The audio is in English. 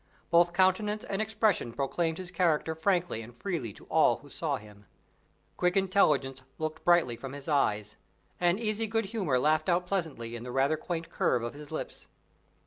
Both countenance and expression proclaimed his character frankly and freely to all who saw him. Quick intelligence looked brightly from his eyes; and easy good humor laughed out pleasantly in the rather quaint curve of his lips.